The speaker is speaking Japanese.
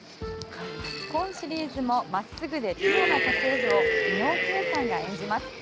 今シリーズもまっすぐでピュアな家政夫を伊野尾慧さんが演じます。